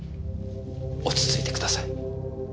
落ち着いてください。